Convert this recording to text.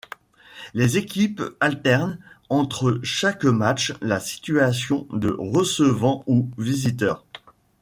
Les équipes alternent entre chaque match la situation de recevant ou visiteur.